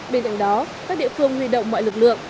bên cạnh đó các địa phương huy động mọi lực lượng